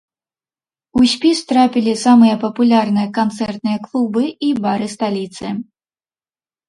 У спіс трапілі самыя папулярныя канцэртныя клубы і бары сталіцы.